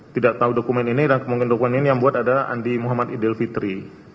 tidak tahu dokumen ini dan kemungkinan dokumen ini yang buat adalah andi muhammad idul fitri